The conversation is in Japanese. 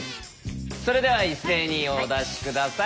それでは一斉にお出し下さい。